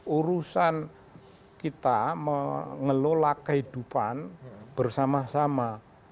urusan kita mengelola kehidupan bersama sama